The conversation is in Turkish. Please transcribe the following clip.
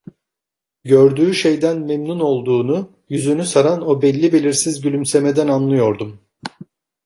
Gördüğü şeyden memnun olduğunu, yüzünü saran o belli belirsiz gülümsemeden anlıyordum.